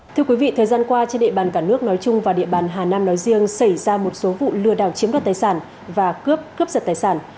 thưa quý vị thời gian qua trên địa bàn cả nước nói chung và địa bàn hà nam nói riêng xảy ra một số vụ lừa đảo chiếm đoạt tài sản và cướp cướp giật tài sản